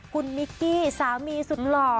คุณมิกกี้สามีสุดหล่อ